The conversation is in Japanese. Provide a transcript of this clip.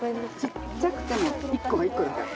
ちっちゃくても１個は１個だから。